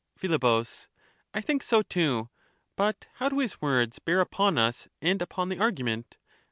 Phi, I think so too, but how do his words bear upon us and upon the argument